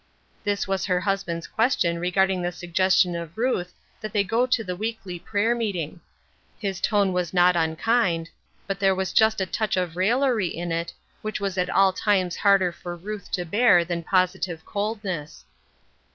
This was her husband's question regarding the suggestion of Ruth that they go to the weekly prayer meeting. His tone was not unkind, bui *' These Be Thy O ods^ 399 there was just a touch of raillery in it, which was at all times harder for Ruth to bear than positive coldness.